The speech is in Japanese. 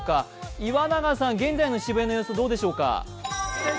岩永さん、現在の渋谷の様子、どうでしょうか？